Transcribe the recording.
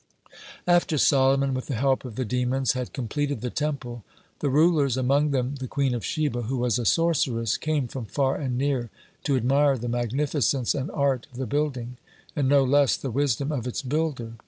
After Solomon with the help of the demons had completed the Temple, the rulers, among them the Queen of Sheba, who was a sorceress, came from far and near to admire the magnificence and art of the building, and no less the wisdom of its builder.